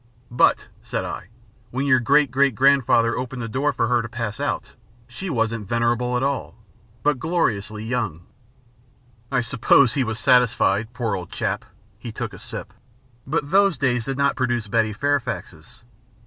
"But," said I, "when your great great grandfather opened the door for her to pass out, she wasn't venerable at all, but gloriously young." "I suppose he was satisfied, poor old chap." He took a sip. "But those days did not produce Betty Fairfaxes."